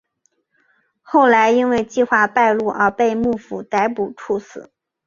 后来因为计划败露而被幕府逮捕处死。